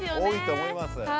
多いと思います。